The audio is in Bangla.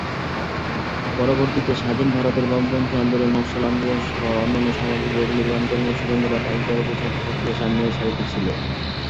পরবর্তীতে স্বাধীন ভারতে বামপন্থী আন্দোলন, নকশাল আন্দোলন সহ অন্যান্য সামাজিক, বৈপ্লবিক আন্দোলনে সুরেন্দ্রনাথ আইন কলেজের ছাত্র ছাত্রীরা সামনের সারিতে ছিল।